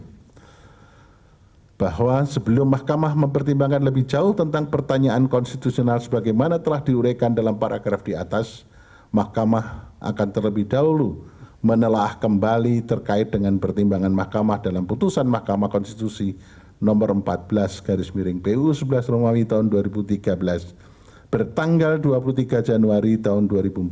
pertama bahwa sebelum mahkamah mempertimbangkan lebih jauh tentang pertanyaan konstitusional sebagaimana telah diurekan dalam paragraf di atas mahkamah akan terlebih dahulu menelah kembali terkait dengan pertimbangan mahkamah dalam putusan mahkamah konstitusi no empat belas garis miring pu sebelas romawi tahun dua ribu tiga belas bertanggal dua puluh tiga januari tahun dua ribu empat belas